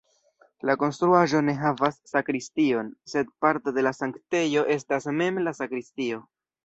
La konstruaĵo ne havas sakristion, sed parto de la sanktejo estas mem la sakristio.